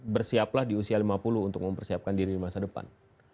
bersiaplah di usia lima puluh untuk mempersiapkan diri di masa depan